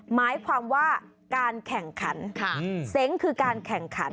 หมายความว่าการแข่งขันเซ้งคือการแข่งขัน